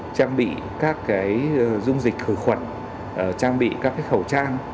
trang bị các dung dịch khử khuẩn trang bị các khẩu trang